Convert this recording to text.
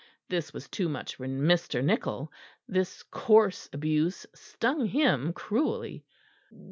This was too much for Mr. Nichol. This coarse abuse stung him cruelly.